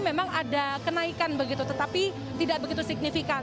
memang ada kenaikan begitu tetapi tidak begitu signifikan